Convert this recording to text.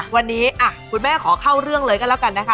วันนี้คุณแม่ขอเข้าเรื่องเลยก็แล้วกันนะคะ